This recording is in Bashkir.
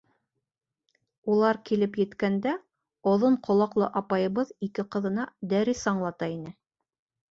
Улар килеп еткәндә, оҙон ҡолаҡлы апайыбыҙ ике ҡыҙына дәрес аңлата ине.